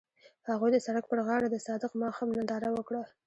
هغوی د سړک پر غاړه د صادق ماښام ننداره وکړه.